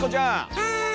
はい！